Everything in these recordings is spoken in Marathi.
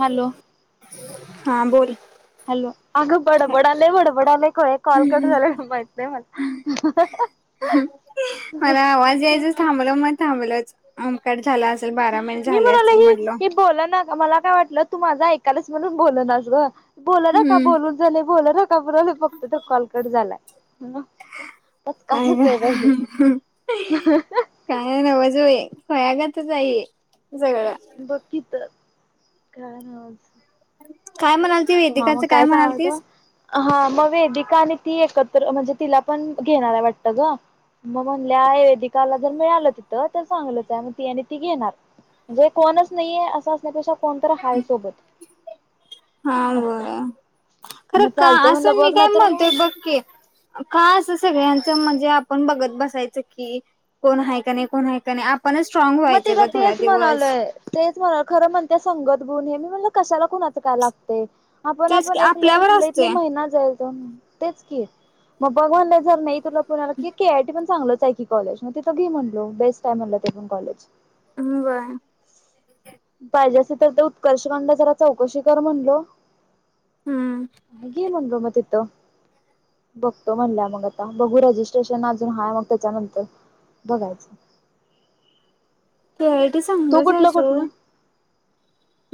हॅलो हा बोल. हॅलो! अगं बडबडाले बडबडाले [unintelligible] कॉल कट झालाय माहित, नाही मला. मला आवाज यायचा थांबलं. मग थांबलचं मग कट झाला. असेल बारा मिनिट मी झाले म्हणालोय, असतील ही म्हटलं ही बोला ना मला काय वाटलं? तू माझा ऐकालास म्हणून, बोलणास गं. बोल नका हम्म बोलून झालयं, बोल नका म्हणालोय, बघतोय. तर कॉल कट झालायं. पचका चच काय हुतंय बाई! झालं खुळ्या गतच हाय हे. बघ की, तर काय नव्हचं. काय म्हणाल? ती वैदिकाचं काय म्हणाल सांगालत तीस. हा मग वेदिका आणि ती एकत्र म्हणजे, तिला पण घेणार आहे. वाटत गं. मग म्हणल्या, वेदिकाला जर मिळालं, तिथं तर चांगलं हाय म ती आणि ती घेणार. म्हणजे कोणच नाहीये, असं असण्यापेक्षा कोण तर हाय सोबत. हा असं खरं मग का? चालतय म्हणलं असं मी बघ ना काय तर म्हणतोय, मग बघ की का सगळ्यांच म्हणजे, आपण बघत बसायचं. की कोण हाय की नई कोण हाय की नई. मग तिला तेच म्हणालोय, तेच म्हणाल खरं [unintelligible] संगत गुण हे मी म्हणलं, कशाला कुणाचं काय लागते. आपण तेच की आपण एक लय आपल्यावर ई लय असते ले महिना जाईल. [unintelligible] तेंच की मग, बघु [unintelligible] जर नाही तुला कोणाला के आय टी चांगलंच आहे. की कॉलेज मग तिथं घे म्हटलो बेस्ट आ हे. म्हणालं, ते पण कॉलेज. होय. पाहिजे, असं तर ते उत्कर्ष कडन जरा चौकशी कर म्हणलो. हम्म हे म्हणलो मग तिथं. बघतो म्हणल्या मग आता. रजिस्ट्रेशन अजून हाय मग त्याच्यानंतर. बघायचं. के आय टी तू चांगच कुठलं जायच हो. कुठलं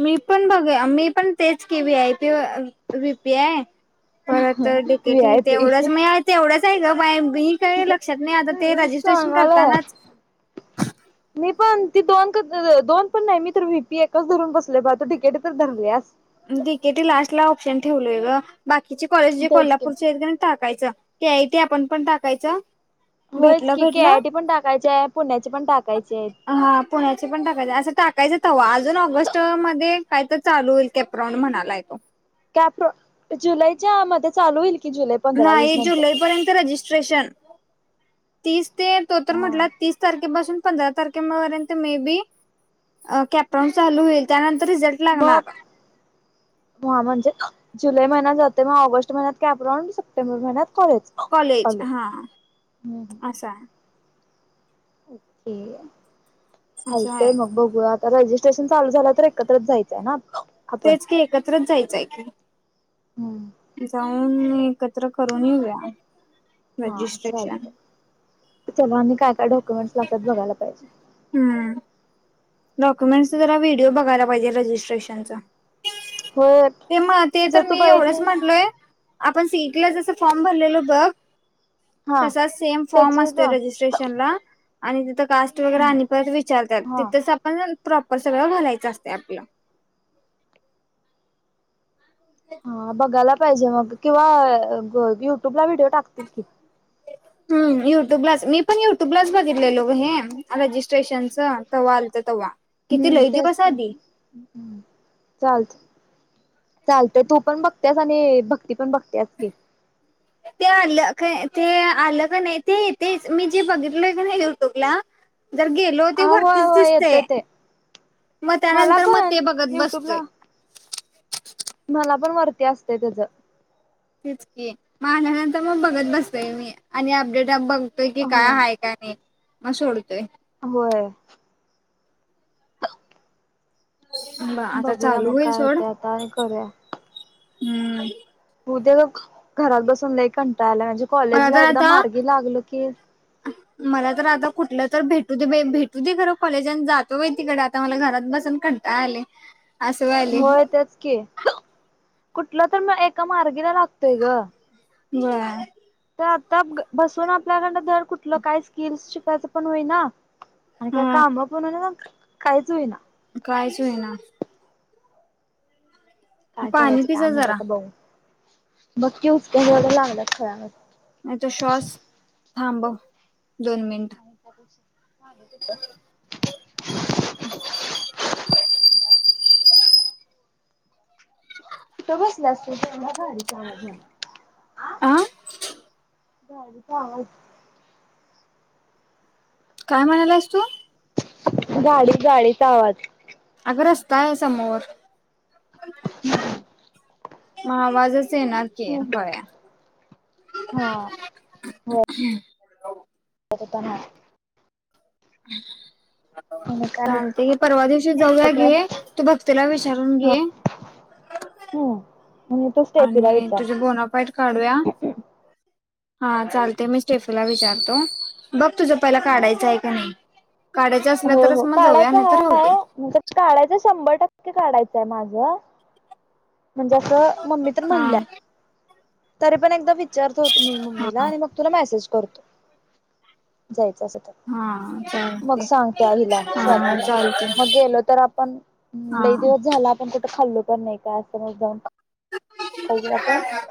मी पण बघ मी पण तेच की V I P VP I परत व्ही डिकेटी आय पी तेवढच मीय तेवढंच आहे ग बाई. ता काही लक्षात नाही आ रजिस्टेशन सांगालाय करतानाच. मी पण ती दोन क द दोन पण नाही मी तर व्हीपी एकच धरून बसले बघ डी के टी तर धरल्यात. डीकेटी लास्ट ला ऑप्शन ठेवलय ग बाकीचे कॉलेज जे तेच की. कोल्हापूरचे एजंट आहात. टाकायच ते आ य टी आपण पण टाकायचं. होयच भेटल की के भेटलं आय टी पण टाकायची आहे पुण्याची पण टाकायची आहेत. हा पुण्याची पण टाकाय असं टाका. कायच हवं अजून ऑगस्ट मध्ये काय तर चालू होईल कॅपराऊंड म्हणाला य तो. कॅप जुलैच्या मध्ये चालू होईल. की जुलै ना पंधरा वीस ए नंतर. जुलै पर्यंत रजिस्ट्रेशन तीस. ते तो तर हा. म्हटला तीस तारखेपासून. पंधरा तारखे पर्यंत मे बी कॅपटाऊन चालू होईल. त्यानंतर रिझल्ट मग लागणार. हा म्हणजे जुलै महिन्यात जातो मग ऑगष्ट महिन्या कॅप राऊड सप्टेबर महिन्यात. खच [unintelligible] कॉलेज चालू हा असं आहे असं चालतंय आहे मग बघू आता रजिस्ट् स्टेशन चालू झालं तर एकत्रच जायचंय हा. तेच की एकत्रच जायचंय. हम्म. जाऊन एकत्र करून येऊया रजिस्ट्रेशन. त्याला आणि काय काय डक्युमेटस लागतात बघयला पाहिजे. हम्म डॉक्युमेंटचा जरा व्हिडिओ बघायला पाहिजे रजिस्ट्रेशनच. होय हे मण ते जर तर तू मी एवढंच बघितलीस म्हटलोय. आपण सिटीला जसं फॉर्म भरलेलो बघ. हा तसा सेम फॉर्म त्याचीच असतोय ना रजिस्ट्रेशन ला आणी तीथ कास्ट वगैरे आण परत विचारतात हा तिथं सप प्रॉपर सगळ भरायच असते आपल. हा बघायला पाहिजे मग किंवा ब युट्युबला व्हिडिओ टाकतील कि हम्म. युट्यूबलाच मी पण युट्यूबलाच बघितलेलो हे रजिस्ट्रेशनच तेव्हा आलत तेव्हा. हम्म त्याच चालत. चाल तर तू पण बघत्यास आणि भक्ती पण बघ. त्या आणलं काय? ते आलं का नाही ते तेच मी जे बघितल आहे का नाही युट्यूब ला. जर गेलो तर आ ते होय वरतीज होय दीतय येतय ते मग त्या मला नंतर मग पण ते बघत बसतोय. युट्यूबला मला पण वरती असते तेज ते चकी माल्या नंतर मग बघत बसतोय मी आणि अपडेट बघ. तोय की काय होय आहे का नाही म सोडतोय. होय. आता बघूया चालू मग होईल काय सोड होतंय आता आणि करूया हम्म. उद्या बग घरात बसून लय कंटाळाला म्हणजे कॉलेज मला ला तर एकदा आता मार्गी लागल की मला तर आता कुठलं तर भेटू दे भेटू दे खरं कॉलेजन जातो व तिकडे आता मला घरात बसून कंटा आले होय तेच की कुठलं तर एका मार्गीला लागतोय ग व्हय. [unintelligible] तर आता बसून आपल्याकड जर कुठलं काही स्किल्स शिकायचं पण होईना. आणि का हा काम पण [unintelligible] काहीच होईना. कायच होना काय पाणी करायचं पि जा काम आहे जरा आता बऊ बघकी उसक व लागला खवर श्वास थांबव दोन मिनिट हत हो कुठे बसल्या तु केवढा गाडीचा आवाज आह गाडी चा आवाज काय म्हणायला आहेस तू गाडीच गाडीच आवाज अग रस्ता आहे समोर मग आवाज हा ख ता हम् आणि काय मग चालते हे परवा दिवशी ते जाऊया काय घे तू भक्तीला विचारून हा घे हम्म तू स्टेफीला आणि विचार तुझे बोनापाईट काढूया हा चालते मी स्टेफीला विचारतो बघ तुझं पहिला हा काढायचं आहे का नाही काढायचं असलं हो हो तरच मग जाऊया काढायच नाही तर राहू दे हा काढायचं शंभर टक्के काढायचंय माझं म्हणजे असं मम्मी तर हा म्हणल्या तरी पण एकदा विचारतो होत मी हा मम्मीला आणि मग तुला मेसेज करतो जायच हा मग चालते सांग त्या हिला हा स्वातीला चालते मग गेलो तर आपण हा लई दिवस झाला आपण कुठं खाल्लो पण नाही का असं जाऊ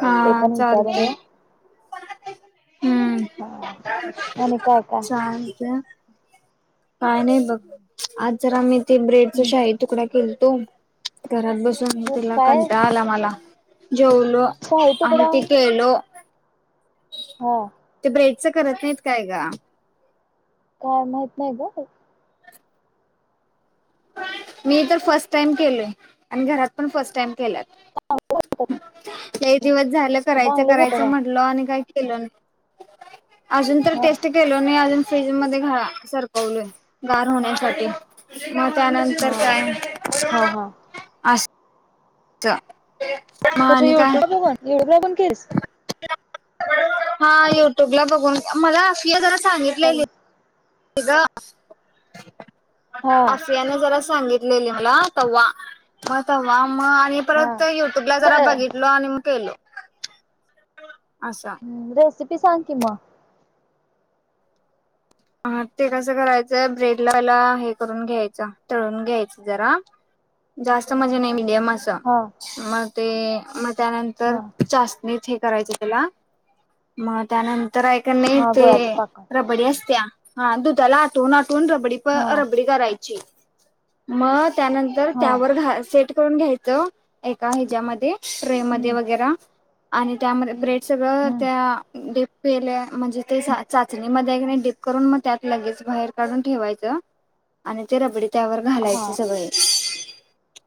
हा विचारून चालते येऊया हम्म हा आणि काय काय चालत काय नाही बघ आज जरा मी ते ब्रेडचा शाही तुकडा केलतो घरात बसून मी तिला काय कंटाळा आला मला जेवलो शाही आणि ती केलो हो बेडच करत नाहीत काय का काय माहित नाही ग मी तर फर्स्ट टाइम केलय आणि घरात पण फर्स्ट टाइम का दिवस झालं करायचं चांगलंच करायचं होतं म्हटलं आणि काय अजून तर का टेस्ट केलो नाही अजून फ्रीज मध्ये घरा सरकवलय गार होण्यासाठी मग त्यानंतर हा काय हा हा हा अस च च तस युट्यूब बघून युट्यूब बघून केस हा युट्यूब ला बघून मला अफिया जरा हॅलो सांगितलेल का हा आफियाने जरा सांगितलेले मला तवा मग तवा मग आणि हा परत युट्यूबला जरा काय बघितलो आणि मग केलो आस तिसांग कि मग हा ते कसं करायचंय ब्रेडला जरा हे करून घ्यायचं तळून घ्यायचं जरा जास्त मजे नाही मिडियम असं हा मग ते मग त्यानंतर हा जास्त नीट हे करायच त्याला मग त्यानंतर हाय कनाही हा ते गुळाचे पाक रबडी असत्याया हा दुधाला आठवून आठवून रब हा रबडी करायची मग त्यानंतर हा त्यावर स करून घ्यायच एका हेच्यामध्ये ट्रे मधे हम्म वगैरा आणि त्यामध्ये ब्रेड सगळं हम्म त्या डीपल्या म्हणजे ते चाचणी मध्ये डीप करुन मग त्यात लगेच बाहेर काढून ठेवायच आणि ते रबडी त्यावर हा घालायचे सगळे.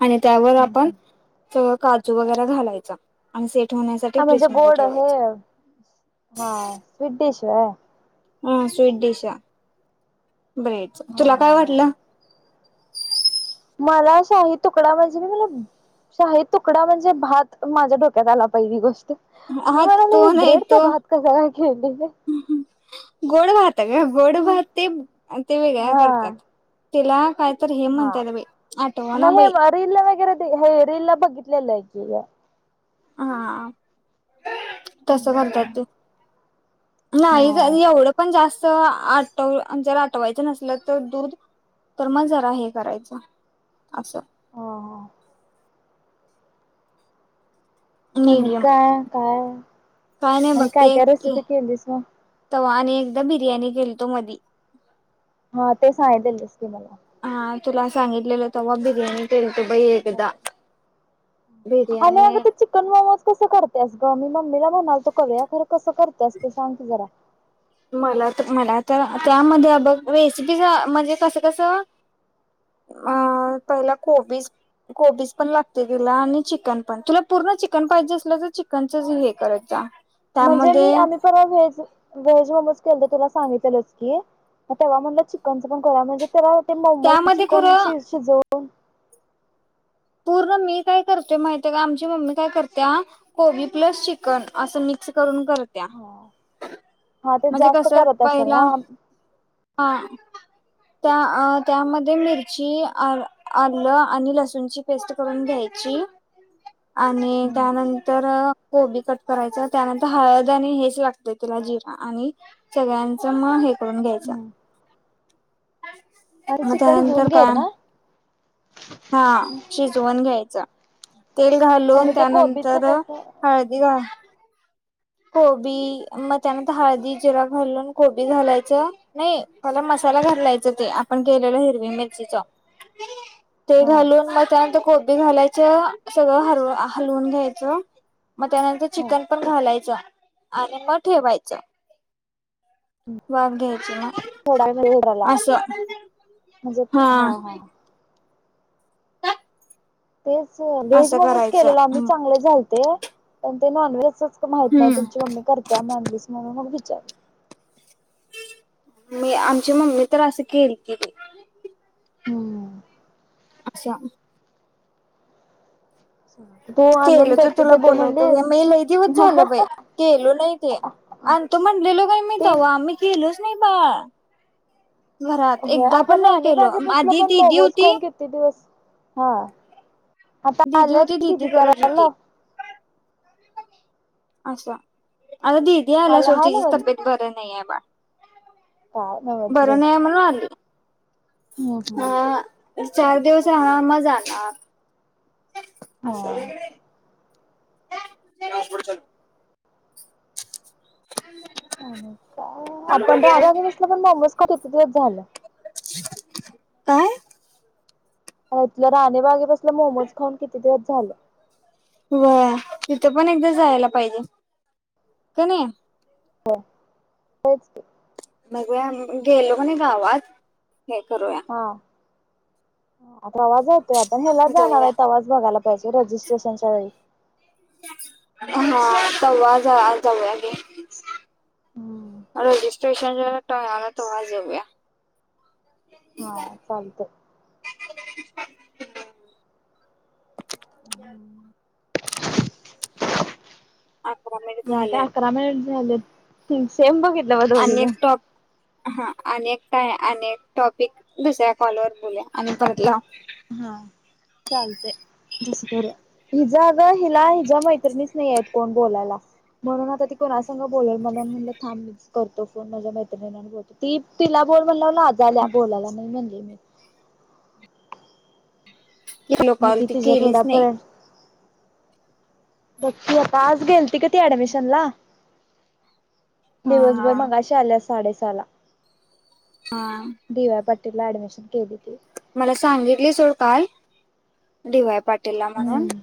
आणि त्यावर आपण सगळं काजू वगैरे घालायचा आणि से ह म्हणजे गोड हे हा स्वीट डिशय. हा स्वीट डिश ब्रेडच हा तुला हा काय हा वाटलं. मला शाही तुकडा म्हणजे मला. शाही तुकडा म्हणजे भात माझ्या डोक्यात आला पहिली गोष्ट. हा मी तो नाही ब्रेडचा तो भात कसाकाय केली. गोड भात का गोड भात ते ते वेगळा करतात. हा तिला काय तर हे हा म्हणतात बाई आठवना बाई हे रीलला वगैरे हे रील ला बघितलेलंय. ठीकय. हा तसं [unintelligible] करतात ते हा नाही एवढं पण जास्त आटव जर आठवायचं नसलं तर दूध. तर मग जरा हे करायचं असं. ह आणि मीडियम काय काय. काय नाही आणि काय बगते काय ते. रेसिपी केलीस मग आणि एकदा बिर्याणी केलतो मधी. हा ते सांगितलस की मला. हा तुला सांगितलेलं तेव्हा बिर्याणी केलतो बाई एकदा. आणि अग बिर्याणी चिकन मोमोज कसं करतेस ग मम्मी. ममीला म्हणालतो करूया पण कसं करतेस ते सांग कि, जरा. मला तर मला तर त्यामध्ये बघ रेसिपीच म्हणजे तसं कसं. अ पहिल कोबीज कोबीज पण लागते तेला आणि चिकन पण तुला पु तुला चिकन पाहिजे असलं तर चिकनच हे करत जा. म्हणजे मी त्यामध्ये आम्ही पण आज व्हेज व्हेज मोमोज. तर तुला सांगितलेलंच की, तेव्हा म्हटलं चिकनच पण कोराव म्हणजे तेव. ते मोमो त्यामध्ये चिकन खरं शिजवून. पूर्ण मी काय करतेव माहिती का आमची मम्मी काय करते कोबी प्लस चिकन असं मी तस करुन करत्या हा ते म्हणजे जास्त कस करत असेल पहिला. ना हा. त्या त्यामध्ये मिरची आलं आणि लसूणची पेस्ट करून घ्यायची. आणि हम्म त्यानंतर कोबी कट करायचं त्यानंतर हळद आणि हेच लागतं तिला. जिरा आणि सगळ्यांच मग हे करून घ्यायच. आणि मग चिकन शिजवून त्यांतर घ्यायचं काय. ना हा शिजवून घ्यायचा. तेल आणि घालून ते कोबीचं त्यानंतर कसं हळदी घाल कोबी मग त्यानंतर हळदी जिरा घालून कोबी घालायचं नाही पाहिला मसाला. घालायचं ते आपण केलेलं हिरवी मिरचीच. ह [inaudible] ते घालून मग त्यानंतर कोबी घालायचं सगळं हव हलवून घ्यायचं. मग त्यानंतर हो चिकन पण घालायचं आणि मग ठेवायचं. वाफ घ्यायची ना. थोडा वेळ [unintelligible] घराला म्हणजे हा हा तेच व्हेज असं मोमोज करायचं केलेला आम्ही चांगले झालते पण ते नॉनव्हेज. माहित नाही हम्म. तुमची मम्मी करते्या म्हनलीस म्हणून विचारल. मी आमची मम्मी तर असं केलती बाई. हम्म. अक्षा. तू आणून केल तर देतो तुला देतो बोलवतो म्हणलीस मी लय दिवच झाल बाय केलो नाही ते आणि तो म्हणलेलो काय मी तीन तव आम्ही केेलोच नाही बाळा हो आपण राहणे बागे पुसल पण दिदी मोमोज खाऊन होती किती दिवस हा आता दिदी आल्या होती दिदी किती कार करत होती आला असं आता दीदी आल्या आला सट हाय तची नव्हं तब्येत बर नाही आहे बा काय नव्हंच बाई बरं नाही म्हणून आले. हम्म हम्म. चार दिवस राहणार मजाणार असं. हा त्या पुढच्या अ काय आपण रागे बसलं पण [unintelligible] झालं. काय? तलं राणेबागेपसलं मोमोज खाऊन किती दिवस झालं. व तिथं पण एकदा जायला पाहिजे का नाही. हो तेच की. मग गेलो कण गावात हे करूया हा आता आवाज होतोय आपण हे्याला जाणार जाऊया आहेत आवाज बघायला पाहिजे रजिस्ट्रेशनच्या वेळी हा जाऊ जा जाऊ अगे हम्म रज स्टेशन ज टय आला त वा जाऊया. हा चालतंय. [unintelligible] अकरा मिनिट आणि का झाल्यात अकरामे झाले सेम बघितलं आणि बगच एक टॉप हा अनेक काय अनेक टॉपिक दुसऱ्या कॉलवरर बोल आणि परत ला हा चालतय तस करूया हिला हिच्यया मैत्रिणीच नाही आहेत कोण बोलायला म्हणून आता ती कोुणास बोल म्हणून म्हटलं थांब म करतो फोन माझ्या मैत्रिणी बोलतो ती तिला बोल म्हणला लाजाल्या बोलायला नाही म्हणले मी केलो मग कॉल त ती तुझ थोडा केलीच नाही पण बघकी आतास गेल त का ती ऍडमिशन ला हा दिवसभर हा मगाशी आल्या साडेसहा ला हा. ला ऍडमिशन केली ती मला सांगितली सोड काल डी वाय पाटील ला म्हणून हम्म